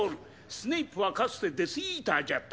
スネイプはかつてデス・イーターじゃったが